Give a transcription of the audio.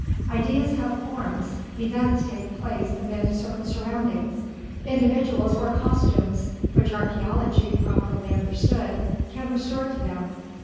Ideas have forms, events take place amid certain surroundings, individuals wear costumes which archæology, properly understood, can restore to them.